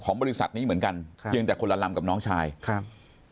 บริษัทนี้เหมือนกันค่ะเพียงแต่คนละลำกับน้องชายครับ